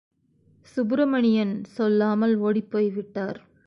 சுப்பிரமணியன் சொல்லாமல் ஒடிப்போய் விட்டார்.